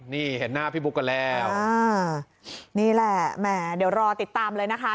นี่เห็นหน้าพี่บุ๊กกันแล้วอ่านี่แหละแหมเดี๋ยวรอติดตามเลยนะคะ